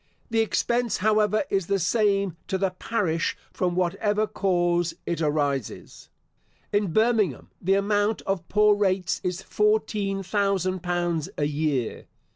The expense, however, is the same to the parish from whatever cause it arises. In Birmingham, the amount of poor rates is fourteen thousand pounds a year.